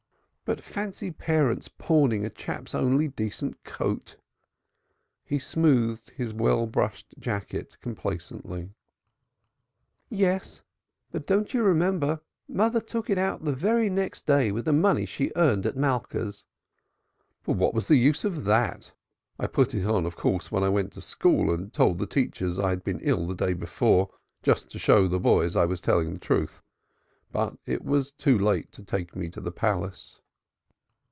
But fancy parents pawning a chap's only decent coat." He smoothed his well brushed jacket complacently. "Yes, but don't you remember mother took it out the very next morning before school with the money she earnt at Malka's." "But what was the use of that? I put it on of course when I went to school and told the teacher I was ill the day before, just to show the boys I was telling the truth. But it was too late to take me to the Palace."